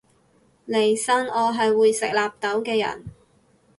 利申我係會食納豆嘅人